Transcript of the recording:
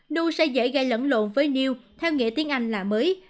nu sẽ dễ gây lẫn lộn với new theo nghĩa tiếng anh là mới